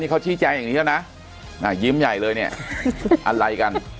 เขาชี้แจงอย่างนี้แล้วนะยิ้มใหญ่เลยเนี่ยอะไรกัน